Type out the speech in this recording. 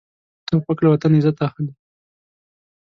توپک له وطن عزت اخلي.